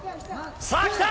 さぁ来た。